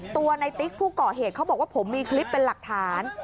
ตัวในติ๊กผู้ก่อเหตุเขาบอกว่าผมมีคลิปเป็นหลักฐาน